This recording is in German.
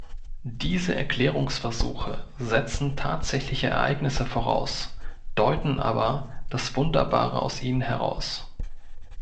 Diese Erklärungsversuche setzen tatsächliche Ereignisse voraus, deuten aber das Wunderbare aus ihnen heraus.